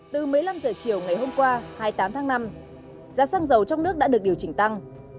từ một mươi năm h chiều ngày hôm qua hai mươi tám tháng năm giá xăng dầu trong nước đã được điều chỉnh tăng